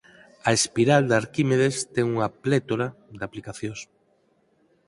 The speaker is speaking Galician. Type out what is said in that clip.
A espiral de Arquímedes ten unha plétora de aplicacións.